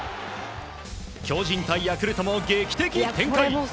巨人対ヤクルトも劇的展開。